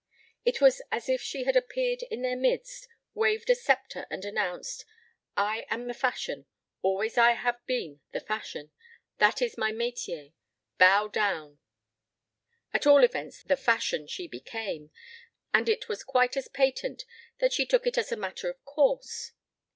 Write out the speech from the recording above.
It was as if she had appeared in their midst, waved a sceptre and announced: "I am the fashion. Always have I been the fashion. That is my métier. Bow down." At all events the fashion she became, and it was quite as patent that she took it as a matter of course.